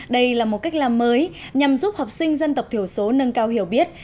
đây là một cách làm mới nhằm giúp học sinh dân tộc thiểu số nâng cao hiểu biết